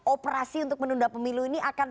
operasi untuk menunda pemilu ini akan